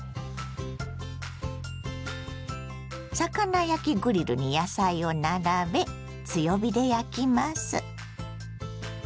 魚焼きグリルに野菜を並べ強火で焼きます。